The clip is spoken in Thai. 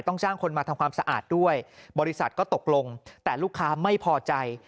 จ้างคนมาทำความสะอาดด้วยบริษัทก็ตกลงแต่ลูกค้าไม่พอใจ